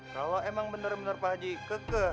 kalau emang bener bener pak haji keke